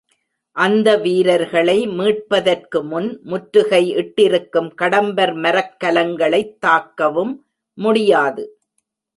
அந்த வீரர்களை மீட்பதற்குமுன் முற்றுகை இட்டிருக்கும் கடம்பர் மரக் கலங்களைத் தாக்கவும் முடியாது.